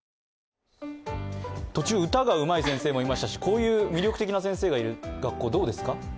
途中、歌がうまい先生もいましたしこういう魅力的な先生がいる学校、どうですか？